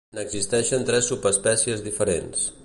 N'existeixen tres subespècies diferents.